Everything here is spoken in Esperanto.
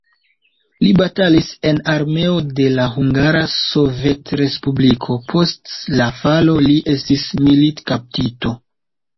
Li batalis en armeo de la Hungara Sovetrespubliko, post la falo li estis militkaptito.